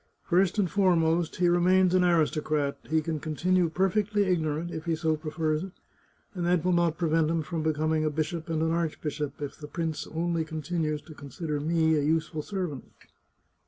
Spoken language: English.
First and fore most, he remains an aristocrat; he can continue perfectly ignorant if he so prefers it, and that will not prevent him from becoming a bishop and an archbishop if the prince only continues to consider me a useful servant.